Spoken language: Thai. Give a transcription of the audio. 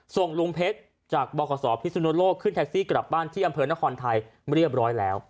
ส่งลุงเพชรจากบขพิสุนโลกขึ้นแท็กซี่กลับบ้านที่อำเภอนครไทยเรียบร้อยแล้ว